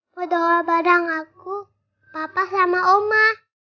berdoa bareng aku papa sama oma